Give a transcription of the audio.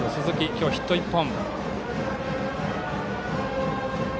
今日、ヒットは１本。